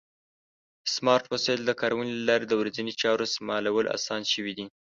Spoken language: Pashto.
د سمارټ وسایلو د کارونې له لارې د ورځې چارو سمبالول اسان شوي دي.